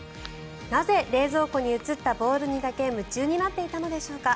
なぜ冷蔵庫に映ったボールにだけ夢中になっていたのでしょうか。